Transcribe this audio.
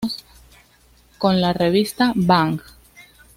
Con la revista Bang!